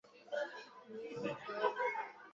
南朝梁元帝萧绎的贵嫔。